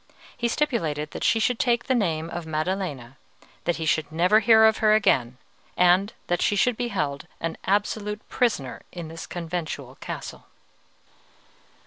He stipulated that she should take the name of Maddelena, that he should never hear of her again, and that she should be held an absolute prisoner in this conventual castle.